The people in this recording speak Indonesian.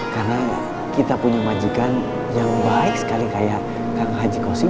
karena kita punya majikan yang baik sekali kayak kakak haji kosing